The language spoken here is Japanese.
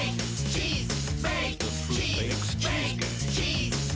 チーズ！